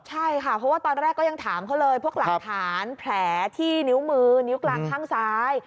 ใช่ค่ะเพราะว่าตอนแรกก็ยังถามเขาเลยพวกหลักฐานแผลที่นิ้วมือนิ้วกลางข้างซ้าย